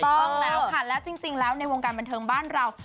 ต้องแล้วค่ะและจริงแล้วในวงการบันเทิงบ้านเรา